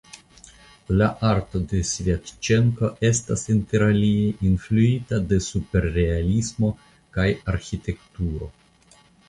La arto de Svjatĉenko estas interalie influita de superrealismo kaj arĥitekturo.